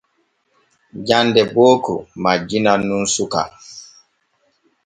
Jande booko majjinan nun suka.